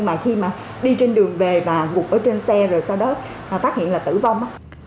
mà khi mà đi trên đường về và gục ở trên xe rồi sau đó phát hiện là tử vong